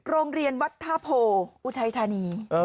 โรงเรียนวัธภพวุธัยธานี